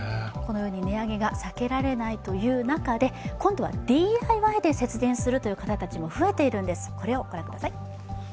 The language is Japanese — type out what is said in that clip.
値上げが避けられないという中でＤＩＹで節電するという方も増えているんです。